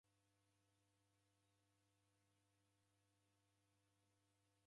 Onekwa ifwa ja ndoe ni ndee.